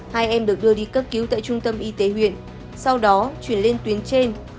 hai em được đưa đi cấp cứu tại trung tâm y tế huyện sau đó chuyển lên tuyến trên